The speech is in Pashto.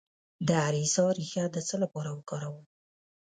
د اریسا ریښه د څه لپاره وکاروم؟